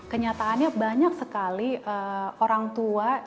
kenyataannya banyak sekali orang tua orang tua yang membutuhkan perhatian dari kita ya